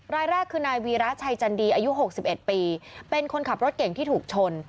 รายแรกคือนายวีระชัยจันดีอายุ๖๑ปีเป็นคนขับรถเก่งที่ถูกชน